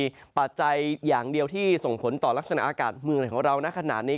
มีปัจจัยอย่างเดียวที่ส่งผลต่อลักษณะอากาศเมืองไหนของเรานะขนาดนี้